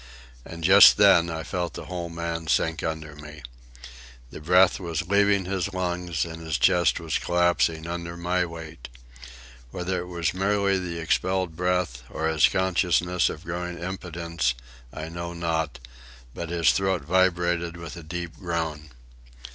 And just then I felt the whole man sink under me. The breath was leaving his lungs and his chest was collapsing under my weight. Whether it was merely the expelled breath, or his consciousness of his growing impotence, I know not, but his throat vibrated with a deep groan.